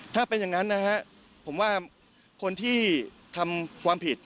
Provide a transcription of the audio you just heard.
ถ้าเป็นอย่างนั้นนะฮะผมว่าคนที่ทำความผิด